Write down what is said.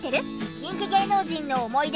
人気芸能人の思い出